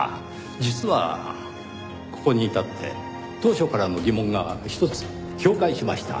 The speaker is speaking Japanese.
実はここに至って当初からの疑問がひとつ氷解しました。